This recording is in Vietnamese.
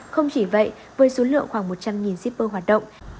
không chỉ vậy với số lượng khoảng một trăm linh shipper hoạt động